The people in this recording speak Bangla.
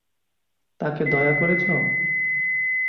তাকে দয়া করেছ?